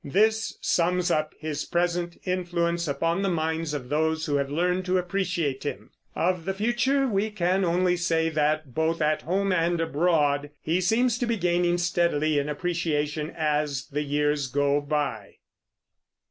This sums up his present influence upon the minds of those who have learned to appreciate him. Of the future we can only say that, both at home and abroad, he seems to be gaining steadily in appreciation as the years go by.